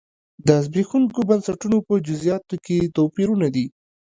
د زبېښونکو بنسټونو په جزییاتو کې توپیرونه دي.